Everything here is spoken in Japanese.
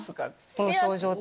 この症状。